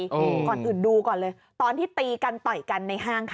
อืมก่อนอื่นดูก่อนเลยตอนที่ตีกันต่อยกันในห้างค่ะ